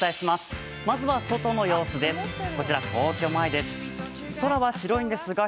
まずは外の様子です。